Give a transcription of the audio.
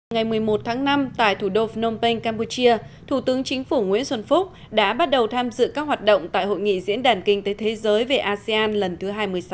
ngày một mươi một tháng năm tại thủ đô phnom penh campuchia thủ tướng chính phủ nguyễn xuân phúc đã bắt đầu tham dự các hoạt động tại hội nghị diễn đàn kinh tế thế giới về asean lần thứ hai mươi sáu